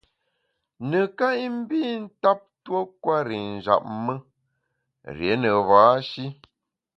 Neká i mbi ntap tuo kwer i njap me, rié ne ba-shi.